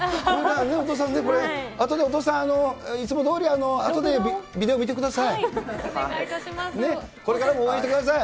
お父さん、これね、あとでお父さん、いつもどおり、あとでビデオ見てください。